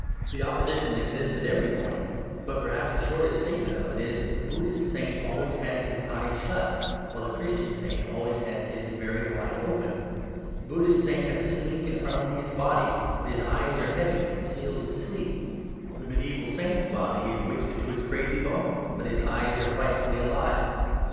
The opposition exists at every point; but perhaps the shortest statement of it is that the Buddhist saint always has his eyes shut, while the Christian saint always has them very wide open. The Buddhist saint has a sleek and harmonious body, but his eyes are heavy and sealed with sleep. The mediaeval saint's body is wasted to its crazy bones, but his eyes are frightfully alive.